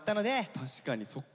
確かにそっか。